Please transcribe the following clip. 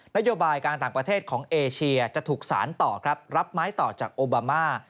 นโยบายการต่างประเทศของเอเชียจะถูกสารต่อครับรับไม้ต่อจากโอบามา